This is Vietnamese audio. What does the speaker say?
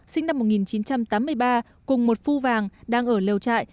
sinh năm một nghìn chín trăm tám mươi ba cùng một phu vàng đang ở lều trại